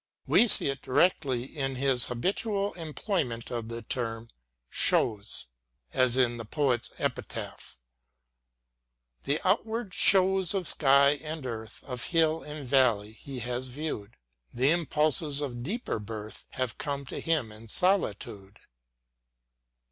We see it directly in his habitual employment of the term " shows," as in the " Poet's Epitaph "; The outward shows of sky and earth, Of hill and valley, he has view'd ; And impulses of deeper birth Have come to him in solitude.